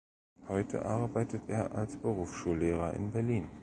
Heute arbeitet er als Berufsschullehrer in Berlin.